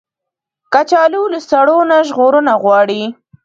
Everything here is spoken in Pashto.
کچالو له سړو نه ژغورنه غواړي